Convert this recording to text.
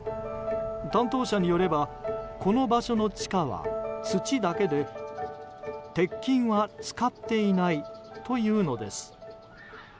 担当者によればこの場所の地下は土だけで鉄筋は使っていないというのです。